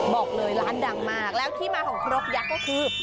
บอกเลยร้านดังมากแล้วที่มาของครกยักษ์ก็คือ